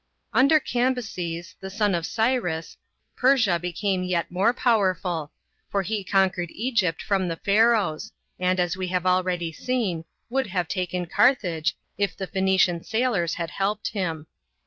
Under Cambyses, the son of Cyrus, Persia be came yet more powerful, for he conquered Egypt from the Pharaohs, and, as we have already set,n, would have taken Carthage, if the Phoenician sailors had helped him.